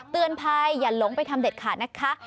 เตือนภัยอย่าหลงไปทำเด็ดขาดนะคะ